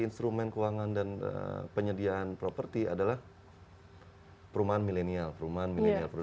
instrumen keuangan dan penyediaan properti adalah perumahan milenial perumahan milenial